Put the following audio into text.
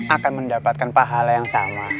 akan mendapatkan pahala yang sama